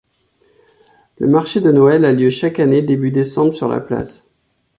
Le marché de noël a lieu chaque année début décembre sur la place.